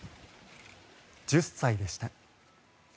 １０歳でした。